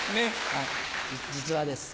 はい実話です。